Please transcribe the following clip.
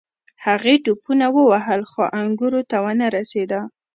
هغې ټوپونه ووهل خو انګورو ته ونه رسیده.